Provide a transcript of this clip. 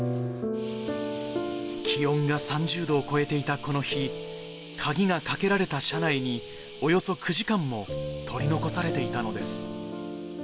気温が３０度を超えていたこの日、鍵がかけられた車内におよそ９時間も取り残されていたのです。